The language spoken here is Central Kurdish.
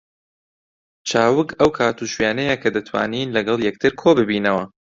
چاوگ ئەو کات و شوێنەیە کە دەتوانین لەگەڵ یەکتر کۆ ببینەوە